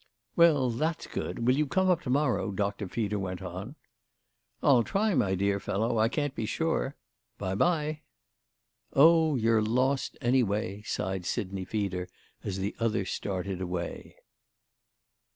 "Well, that's good. Won't you come up to morrow?" Doctor Feeder went on. "I'll try, my dear fellow. I can't be sure. By bye!" "Oh you're lost anyway!" sighed Sidney Feeder as the other started away.